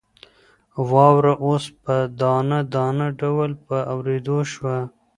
واوره اوس په دانه دانه ډول په اورېدو شوه.